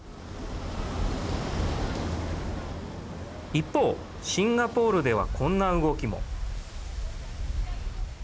一方、シンガポールではこんな動きも。